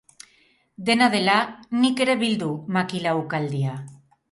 Dena dela, nik ere bildu, makila ukaldia!